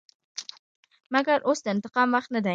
مګر اوس د انتقام وخت نه دى.